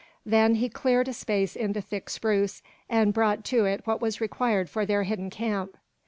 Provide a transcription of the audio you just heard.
Then he cleared a space in the thick spruce, and brought to it what was required for their hidden camp.